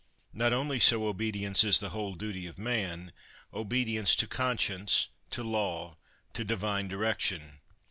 Not only so : obedience is the whole duty of man ; obedience to conscience, to law, to Divine direction.